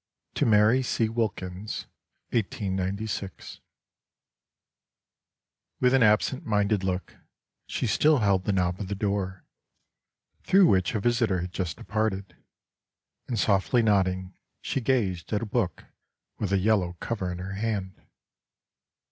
To CMary C. IVilkins. THE WIFE OF THE SYMBOLIST. (1896.) With an absent minded look, she still held the knob of the door, through which a visitor had just departed, and softly nodding, she gazed at a book, with a yellow cover in her hand.